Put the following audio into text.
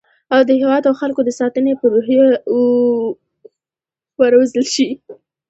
او د هیواد او خلکو د ساتنې په روحیه وروزل شي